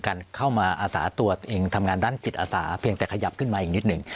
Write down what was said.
การเข้ามาอาสาตัวเองทำงานด้านจิตอาสาเพียงแต่ขยับขึ้นมาอีกนิดหนึ่ง